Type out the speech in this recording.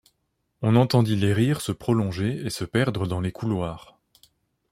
On entendit les rires se prolonger et se perdre dans les couloirs.